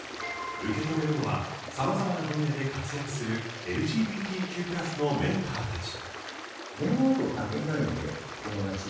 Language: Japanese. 受け止めるのはさまざまな分野で活躍するＬＧＢＴＱ＋のメンターたち。